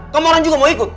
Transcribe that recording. kamu orang juga mau ikut